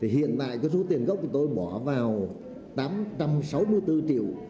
hiện tại số tiền gốc tôi bỏ vào tám trăm sáu mươi bốn triệu